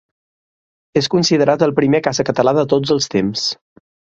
És considerat el primer caça català de tots els temps.